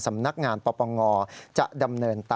สำนักงานปปงจะดำเนินต่อ